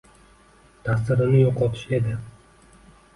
ta’sirini yo‘qotish edi.